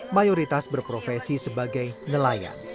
mayoritas berprofesi sebagai nelayan